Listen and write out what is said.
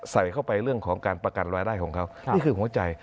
ใส่เข้าไปเรื่องของการประกันรายได้ของเขานี่คือหัวใจ